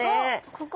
ここ。